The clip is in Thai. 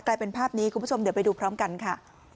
กลายเป็นภาพนี้คุณผู้ชมเดี๋ยวไปดูพร้อมกันค่ะ